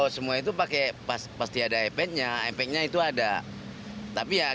saya masih setengah hari sih